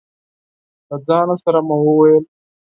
له ځانه سره مې وويل: